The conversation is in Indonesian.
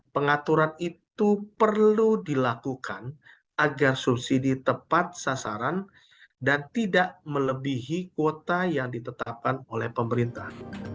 pengaturan itu perlu dilakukan agar subsidi tepat sasaran dan tidak melebihi kuota yang ditetapkan oleh pemerintah